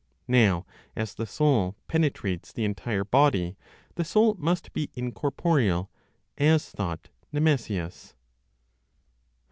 Now as the soul penetrates the entire body, the soul must be incorporeal (as thought Nemesius).